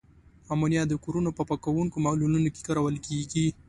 امونیا د کورونو په پاکوونکو محلولونو کې کارول کیږي.